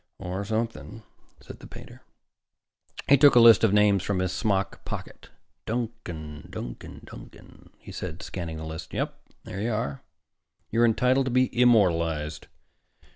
"Or something," said the painter. He took a list of names from his smock pocket. "Duncan, Duncan, Duncan," he said, scanning the list. "Yes here you are. You're entitled to be immortalized.